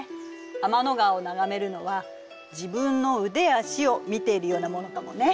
天の川を眺めるのは自分の腕や足を見ているようなものかもね。